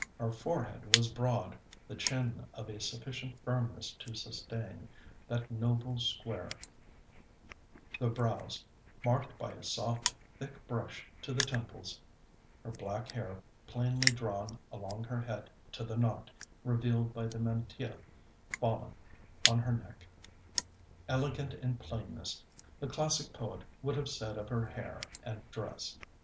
Her forehead was broad; the chin of a sufficient firmness to sustain: that noble square; the brows marked by a soft thick brush to the temples; her black hair plainly drawn along her head to the knot, revealed by the mantilla fallen on her neck. Elegant in plainness, the classic poet would have said of her hair and dress.